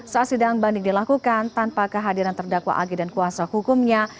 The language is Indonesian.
saat sidang banding dilakukan tanpa kehadiran terdakwa ag dan kuasa hukumnya